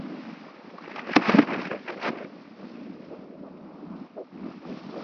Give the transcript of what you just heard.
ما له پلاره اورېدلي په کتاب کي مي لیدلي٫